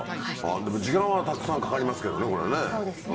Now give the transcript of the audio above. でも時間はたくさんかかりますけどね。